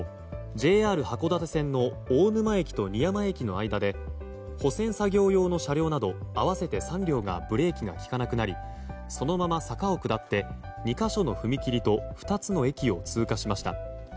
ＪＲ函館線の大沼駅と仁山駅の間で保線作業用の車両など合わせて３両がブレーキが利かなくなりそのまま坂を下って２か所の踏切と２つの駅を通過しました。